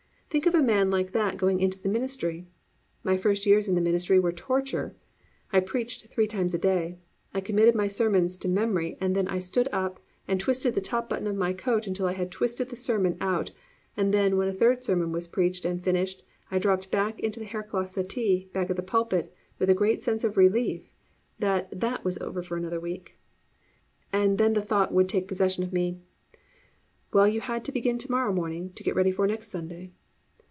Think of a man like that going into the ministry. My first years in the ministry were torture. I preached three times a day. I committed my sermons to memory and then I stood up and twisted the top button of my coat until I had twisted the sermon out and then when the third sermon was preached and finished, I dropped back into the haircloth settee back of the pulpit with a great sense of relief that that was over for another week. And then the thought would take possession of me, Well you have to begin to morrow morning to get ready for next Sunday!